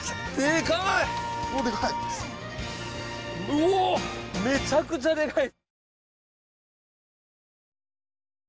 うおめちゃくちゃでかい！